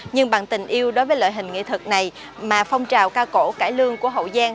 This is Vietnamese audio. nhưng bằng tình yêu đối với loại hình nghệ thuật này mà phong trào ca cổ cải lương của hậu giang